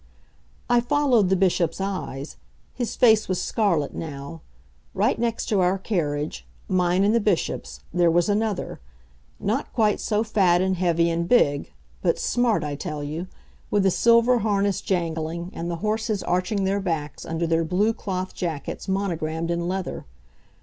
I followed the Bishop's eyes. His face was scarlet now. Right next to our carriage mine and the Bishop's there was another; not quite so fat and heavy and big, but smart, I tell you, with the silver harness jangling and the horses arching their backs under their blue cloth jackets monogrammed in leather.